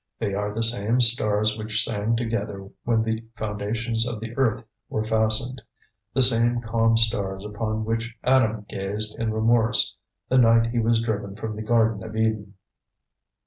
They are the same stars which sang together when the foundations of the earth were fastened; the same calm stars upon which Adam gazed in remorse, the night he was driven from the garden of Eden.